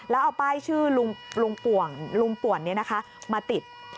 แล้วเอาป้ายชื่อลุงปว่นนี้นะคะมาติด